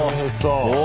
お！